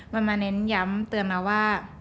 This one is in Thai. มันมาเน้นย้ำเตือนมาว่า